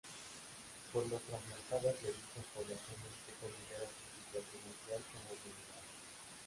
Por lo fragmentadas de dichas poblaciones, se considera su situación actual como vulnerable.